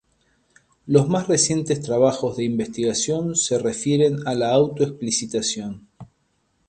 Los más recientes trabajos de investigación se refieren a la auto-explicitación.